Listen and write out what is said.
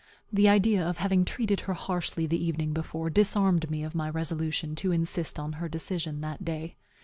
The idea of having treated her harshly the evening before disarmed me of my resolution to insist on her decision that day.